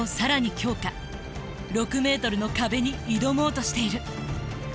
６ｍの壁に挑もうとしている。